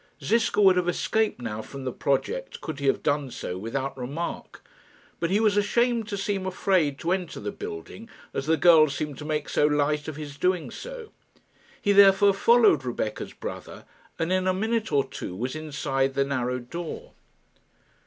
Ziska would have escaped now from the project could he have done so without remark; but he was ashamed to seem afraid to enter the building, as the girls seemed to make so light of his doing so. He therefore followed Rebecca's brother, and in a minute or two was inside the narrow door.